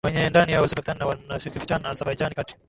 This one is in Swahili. wenyewe ndani ya Uzbekistan na Nakhichevan Azabajani kati